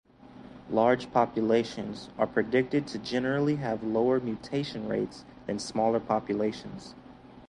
Large populations are predicted to generally have lower mutation rates than smaller populations.